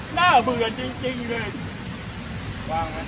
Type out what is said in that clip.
หน้าเผื่อจริงเลย